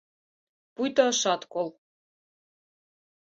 Пуйто ышат кол.